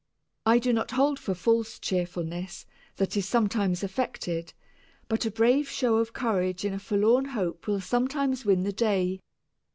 I do not hold for false cheerfulness that is sometimes affected, but a brave show of courage in a forlorn hope will sometimes win the day.